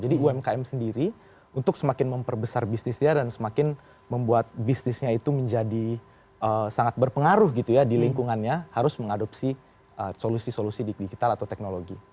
jadi umkm sendiri untuk semakin memperbesar bisnisnya dan semakin membuat bisnisnya itu menjadi sangat berpengaruh gitu ya di lingkungannya harus mengadopsi solusi solusi digital atau teknologi